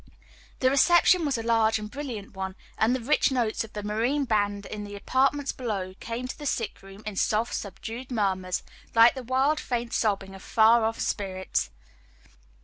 The reception was a large and brilliant one, and the rich notes of the Marine Band in the apartments below came to the sick room in soft, subdued murmurs, like the wild, faint sobbing of far off spirits.